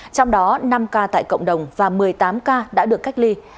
trong đó năm ca tại cộng đồng và một mươi tám ca đã được cách ly